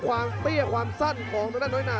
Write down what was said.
ความเตี้ยความสั้นของน้อยน่า